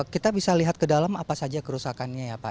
kita bisa lihat ke dalam apa saja kerusakannya ya pak